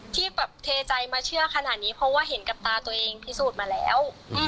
ที่แบบเทใจมาเชื่อขนาดนี้เพราะว่าเห็นกับตาตัวเองพิสูจน์มาแล้ว